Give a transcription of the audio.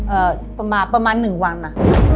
เอ่อมาประมาณ๑วันนะ